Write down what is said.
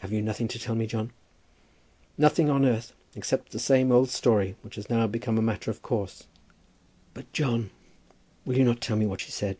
"Have you nothing to tell me, John?" "Nothing on earth, except the same old story, which has now become a matter of course." "But, John, will you not tell me what she has said?"